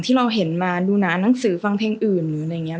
ที่เราเห็นมาดูหนาหนังสือฟังเพลงอื่นหรืออะไรอย่างนี้